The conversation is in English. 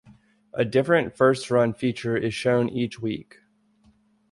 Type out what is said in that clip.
A different first-run feature is shown each week.